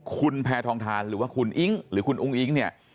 คุณแพทองทานคุณอิ๊งหรือคุณอูงอิ๊งเนี่ย